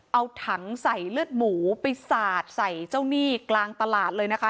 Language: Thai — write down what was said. เอาถังใส่เลือดหมูไปสาดใส่เจ้าหนี้กลางตลาดเลยนะคะ